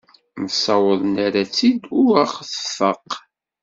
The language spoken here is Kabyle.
Nessaweḍ nerra-tt-id ur ɣ-tfaq.